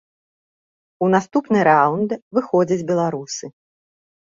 У наступны раўнд выходзяць беларусы.